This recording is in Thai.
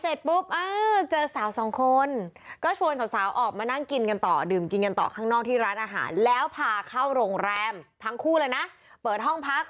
เสร็จปุ๊บเออเจอสาวสองคนก็ชวนสาวออกมานั่งกินกันต่อดื่มกินกันต่อข้างนอกที่ร้านอาหารแล้วพาเข้าโรงแรมทั้งคู่เลยนะเปิดห้องพัก